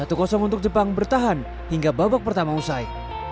satu untuk jepang bertahan hingga babak pertama usai